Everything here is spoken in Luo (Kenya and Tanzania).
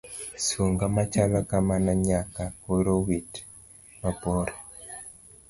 Sung'a machalo kamano nyaka koro wit mabor.